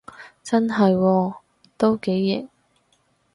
真係喎，都幾型